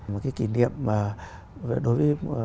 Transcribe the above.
một cái kỷ niệm đối với